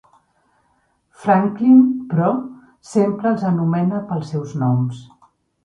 Franklin, però, sempre els anomena pel seus noms.